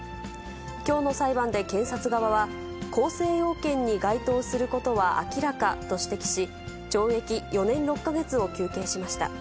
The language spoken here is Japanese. きょうの裁判で検察側は、構成要件に該当することは明らかと指摘し、懲役４年６か月を求刑しました。